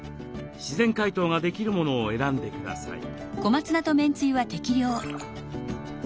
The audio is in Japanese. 自然解凍ができるものを選んでください。